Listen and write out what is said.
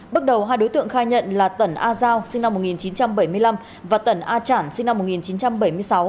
bước đầu hai đối tượng khai nhận là tẩn a giao sinh năm một nghìn chín trăm bảy mươi năm và tẩn a trản sinh năm một nghìn chín trăm bảy mươi sáu